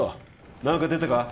何か出たか？